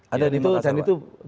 ada di makassar